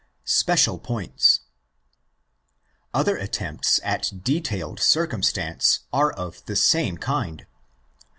Spectal Pownts. Other attempts at detailed circumstance are of the same kind.